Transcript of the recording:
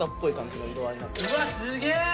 うわっすげえ！